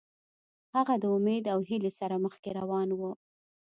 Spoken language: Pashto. هغه د امید او هیلې سره مخکې روان و.